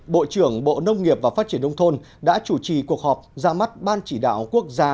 bộ trưởng bộ nông nghiệp và phát triển nông thôn đã chủ trì cuộc họp ra mắt ban chỉ đạo quốc gia